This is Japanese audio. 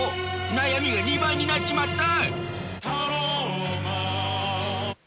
悩みが２倍になっちまった！